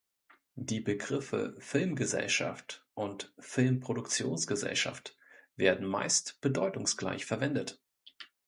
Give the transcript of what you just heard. Die Begriffe "Filmgesellschaft" und "Filmproduktionsgesellschaft" werden meist bedeutungsgleich verwendet.